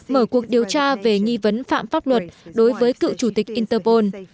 mở cuộc điều tra về nghi vấn phạm pháp luật đối với cựu chủ tịch interpol